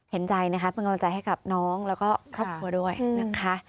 เห็นใจนะคะเป็นกำลังใจให้กับน้องแล้วก็ครอบครัวด้วยนะคะ